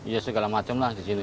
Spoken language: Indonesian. ya segala macam lah di sini